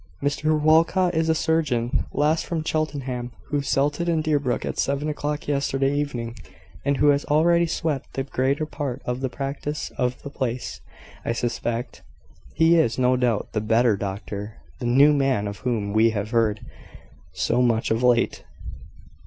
"Mr Walcot is a surgeon, last from Cheltenham, who settled in Deerbrook at seven o'clock yesterday evening, and who has already swept the greater part of the practice of the place, I suspect. He is, no doubt, the `better doctor,' `the new man,' of whom we have heard so much of late."